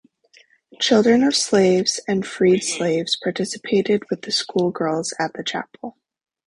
Children of slaves and freed slaves participated with the schoolgirls at the chapel.